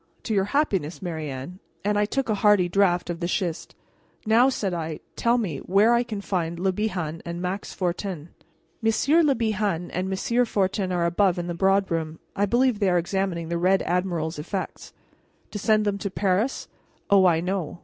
To your happiness, Marianne"; and I took a hearty draught of the schist. "Now," said I, "tell me where I can find Le Bihan and Max Fortin." "Monsieur Le Bihan and Monsieur Fortin are above in the broad room. I believe they are examining the Red Admiral's effects." "To send them to Paris? Oh, I know.